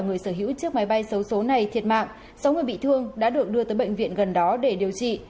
sáu người bị thương đã được đưa tới bệnh viện gần đó để điều trị